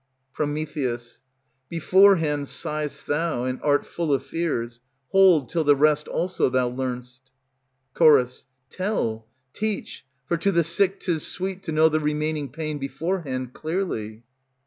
Pr. Beforehand sigh'st thou, and art full of fears, Hold till the rest also thou learn'st. Ch. Tell, teach; for to the sick 't is sweet To know the remaining pain beforehand clearly. _Pr.